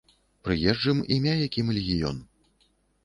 Прыезджым, імя якім легіён!